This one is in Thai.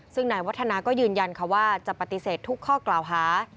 ซึ่งนายวัฒนาก็ยืนยันค่ะว่าจะปฏิเสธทุกข้อกล่าวหา